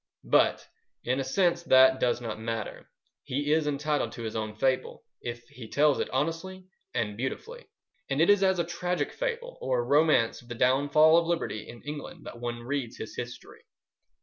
But in a sense that does not matter. He is entitled to his own fable, if he tells it honestly and beautifully; and it is as a tragic fable or romance of the downfall of liberty in England that one reads his History.